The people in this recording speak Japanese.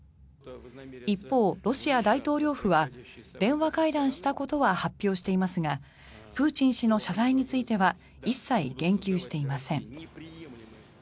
一方、ロシア大統領府は電話会談したことは発表していますがプーチン氏の謝罪については一切言及していません。